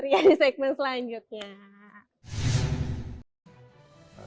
terima kasih segmen selanjutnya